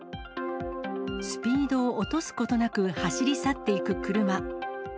スピードを落とすことなく、走り去っていく車。